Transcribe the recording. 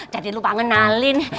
jadi lupa ngenalin